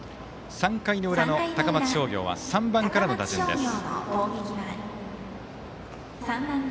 ３回の裏の高松商業は３番からの打順です。